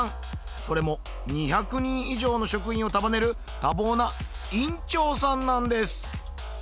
それも２００人以上の職員を束ねる多忙な院長さんなんです！